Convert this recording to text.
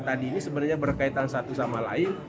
tadi ini sebenarnya berkaitan satu sama lain